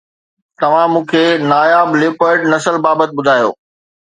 توهان مون کي ناياب ليپرڊ نسل بابت ٻڌايو